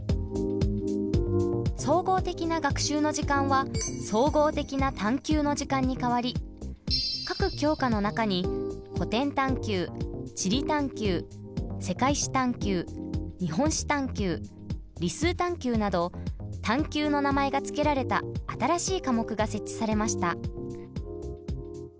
「総合的な学習の時間」は「総合的な探究の時間」に変わり各教科の中に古典探究・地理探究世界史探究・日本史探究・理数探究など探究の名前が付けられた新しい科目が設置されました。